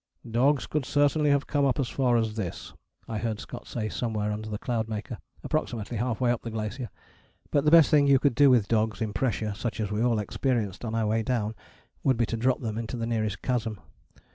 "Dogs could certainly have come up as far as this," I heard Scott say somewhere under the Cloudmaker, approximately half way up the glacier, but the best thing you could do with dogs in pressure such as we all experienced on our way down would be to drop them into the nearest chasm.